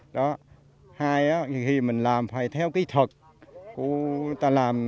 đó hai khi mình làm phải theo kỹ thuật của người ta làm